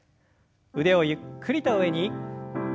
腕をゆっくりと上に。